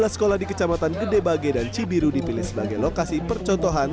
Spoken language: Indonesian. dua belas sekolah di kecamatan gede bage dan cibiru dipilih sebagai lokasi percontohan